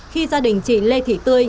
khi gia đình chị lê thị tươi